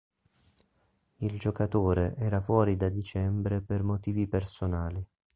Il giocatore era fuori da dicembre per motivi personali.